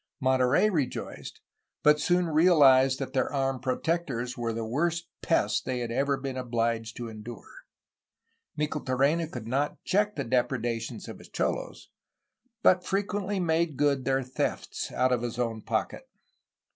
Monterey rejoiced, — ^but soon realized that their armed ''protectors" were the worst pest they had ever been obliged to endure. Micheltorena could not check the depredations of his cholos, but frequently made good their thefts out of his own pocket.